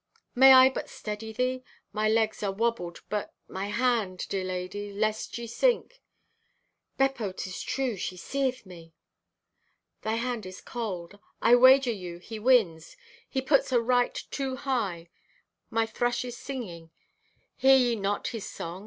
May I but steady thee? My legs are wobbled but—my hand, dear lady, lest ye sink. ("Beppo, 'tis true she seeth me!) "Thy hand is cold. I wager you he wins. He puts a right too high. Thy thrush is singing; hear ye not his song?